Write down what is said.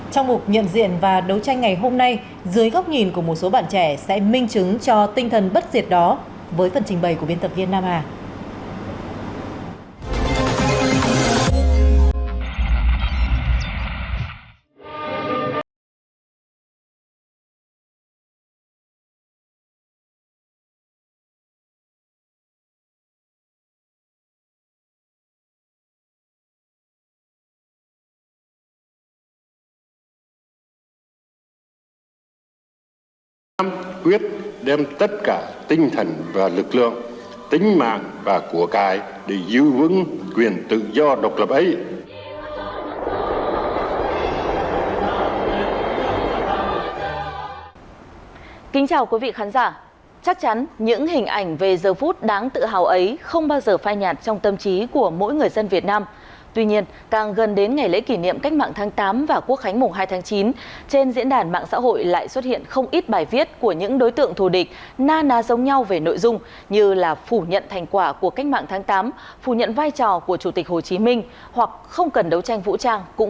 trong mục nhận diện và đấu tranh ngày hôm nay dưới góc nhìn của một số bạn trẻ sẽ minh chứng